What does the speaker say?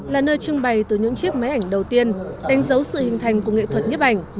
là nơi trưng bày từ những chiếc máy ảnh đầu tiên đánh dấu sự hình thành của nghệ thuật nhếp ảnh